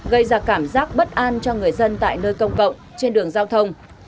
gây ra cảm giác bất an cho người dân tại nơi công cộng trên đường giao thông